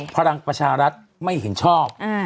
พลังประชารัฐไม่เห็นชอบ